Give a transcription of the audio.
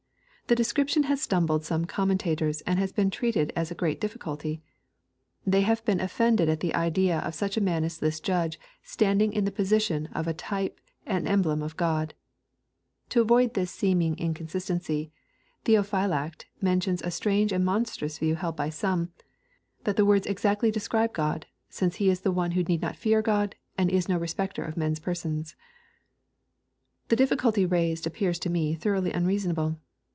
The description has stumbled some commentators, and has been treated as a great difficulty. They have been offended at the idea of such a man as this judge standing in the position of a type and emhiem of God. To avoid this seeming inconsistency, Theophy lact mentions a strange and monstrous view held by some, that the words exactly describe God, since He is one who need not fear God, and is no respecter of men's persons I The difficulty raised appears to me thoroughly unreasonable.